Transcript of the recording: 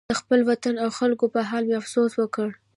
د خپل وطن او خلکو په حال مې افسوس وکړ.